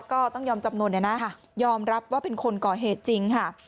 ก็ต้องยอมจำนวนเนี่ยนะยอมรับว่าเป็นคนก่อเหตุจริงค่ะ